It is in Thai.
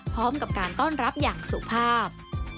พร้อมกับการต้อนรับอย่างสุภาพ